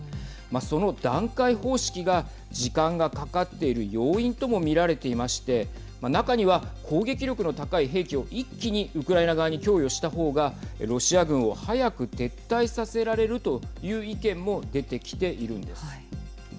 その段階方式が時間がかかっている要因とも見られていまして中には、攻撃力の高い兵器を一気にウクライナ側に供与した方がロシア軍を早く撤退させられるという意見も出てきているんです。